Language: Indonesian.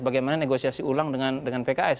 bagaimana negosiasi ulang dengan pks